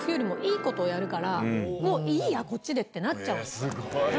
すごいね！